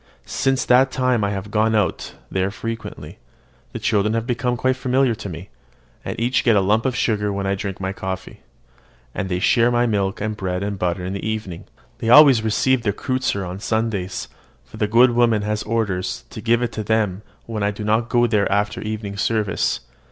Since that time I have gone out there frequently. The children have become quite familiar with me; and each gets a lump of sugar when I drink my coffee, and they share my milk and bread and butter in the evening. They always receive their kreutzer on Sundays, for the good woman has orders to give it to them when I do not go there after evening service.